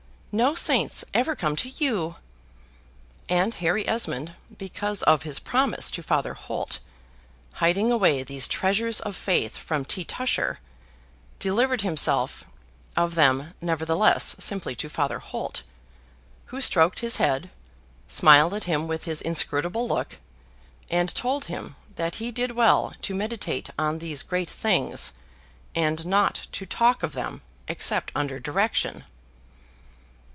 No saints ever come to you." And Harry Esmond, because of his promise to Father Holt, hiding away these treasures of faith from T. Tusher, delivered himself of them nevertheless simply to Father Holt; who stroked his head, smiled at him with his inscrutable look, and told him that he did well to meditate on these great things, and not to talk of them except under direction.